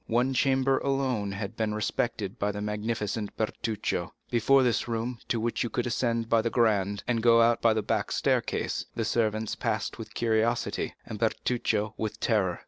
One chamber alone had been respected by the magnificent Bertuccio. Before this room, to which you could ascend by the grand, and go out by the back staircase, the servants passed with curiosity, and Bertuccio with terror.